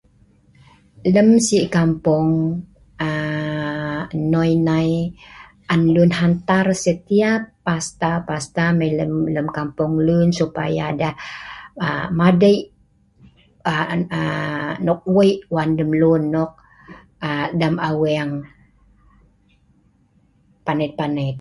Lem si kampong aaaa noi nai an leun hantar setiap pastor pastor mai lem kampong kampong leun supaya deh madei' aaa nok wei' wan lemlun nok lem aweng panet panet.